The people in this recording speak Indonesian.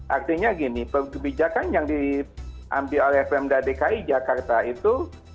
artinya gini kebijakan yang diambil oleh pemda dki jakarta itu